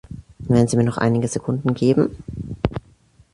Wenn Sie mir noch einige Sekunden geben.